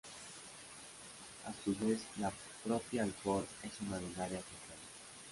A su vez, la propia Alcor es una binaria cercana.